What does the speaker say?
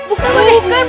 bukan pakde kita menutup